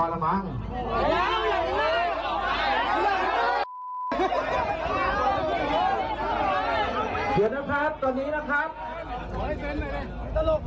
ได้ยินใช่ประเททกับอาจารย์ว่าง